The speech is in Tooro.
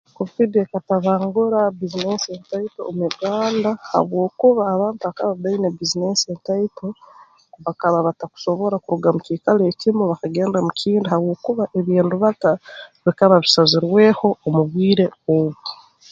Kovidi ekatabangura bbiizineesi entaito omu Uganda habwokuba abantu abakaba baine bbiizineesi entaito bakaba batakusobora kuruga mu kiikaro ekimu bakagenda mu kindi habwokuba eby'endubata bikaba bisazirweho obwire obu